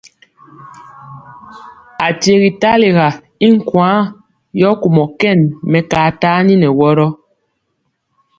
Akyegi talega i nkwaaŋ, yɔ kumɔ kɛn mɛkaa tani nɛ wɔrɔ.